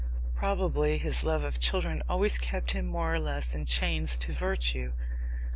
Probably his love of children always kept him more or less in chains to virtue.